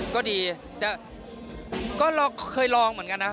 ก็ดีแต่ก็เราเคยลองเหมือนกันนะ